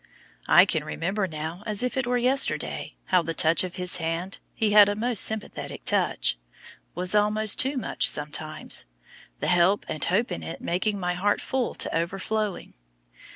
I can remember now, as if it were yesterday, how the touch of his hand—he had a most sympathetic touch—was almost too much sometimes, the help and hope in it making my heart full to overflowing.